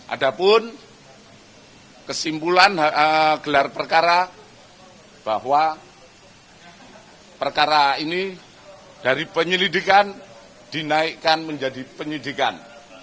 ada pun kesimpulan gelar perkara bahwa perkara ini dari penyelidikan dinaikkan menjadi penyidikan